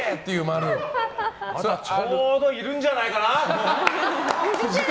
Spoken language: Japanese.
ちょうどいるんじゃないかな？